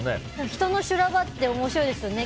人の修羅場って面白いですね